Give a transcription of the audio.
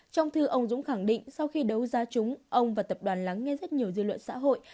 trong thư ông dũng khẳng định sau khi đấu ra chúng ông và tập đoàn lắng nghe rất nhiều dư luận xã hội